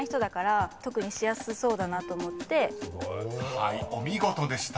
［はいお見事でした。